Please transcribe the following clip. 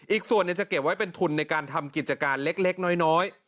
อีกส่วนจะเก็บไว้เป็นทุนในการทำกิจการเล็กน้อย